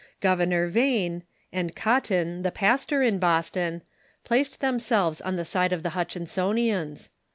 Governor Vane, and Cotton, the pastor in Boston, placed themselves on the side of the llutchinsonians.